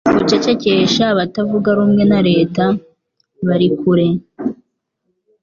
Gucecekesha abatavuga rumwe na leta bari kure